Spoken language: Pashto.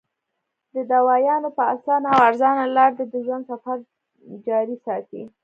د دوايانو پۀ اسانه او ارزانه لار دې د ژوند سفر جاري ساتي -